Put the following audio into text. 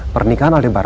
pernikahan aldebaran itu